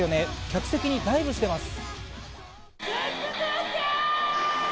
客席にダイブしてます。